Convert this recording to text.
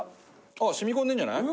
ああ染み込んでるんじゃない？